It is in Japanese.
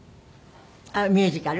あっミュージカル？